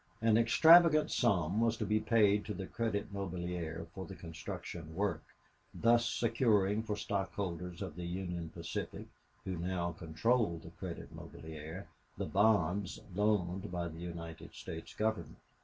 An extravagant sum was to be paid to the Credit Mobilier for the construction work, thus securing for stockholders of the Union Pacific, who now controlled the Credit Mobilier, the bonds loaned by the United States Government.